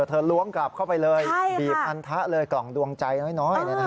ล้วงกลับเข้าไปเลยบีบอันทะเลกล่องดวงใจน้อย